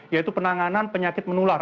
yaitu penanganan penyakit menular